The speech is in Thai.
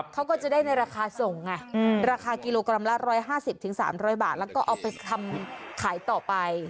เขาก็จะได้ในราคาส่งไงราคากิโลกรัมละ๑๕๐๓๐๐บาทแล้วก็เอาไปทำขายต่อไป